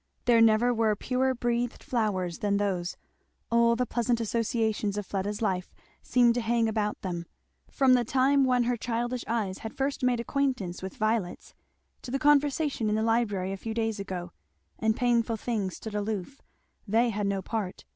There never were purer breathed flowers than those. All the pleasant associations of Fleda's life seemed to hang about them, from the time when her childish eyes had first made acquaintance with violets, to the conversation in the library a few days ago; and painful things stood aloof; they had no part.